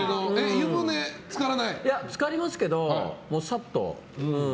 つかりますけど、さっと。